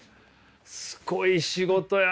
すごい仕事やな。